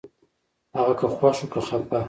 هغه که خوښ و که خپه